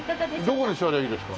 どこに座ればいいですか？